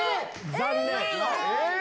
残念。